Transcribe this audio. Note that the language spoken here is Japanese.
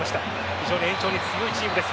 非常に延長に強いチームです。